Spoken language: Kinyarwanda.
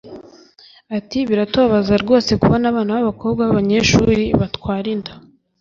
Ati "Biratubabaza rwose kubona abana b’abakobwa b’abanyeshuri batwara inda